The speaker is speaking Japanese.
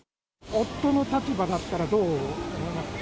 夫の立場だったらどう思いますか？